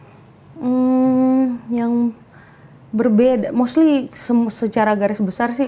hmm yang berbeda mostly secara garis besar sih